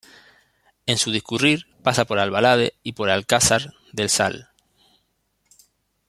En su discurrir pasa por Alvalade y por Alcázar del Sal.